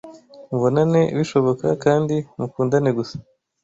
Mubonane bishoboka kandi mukundane gusa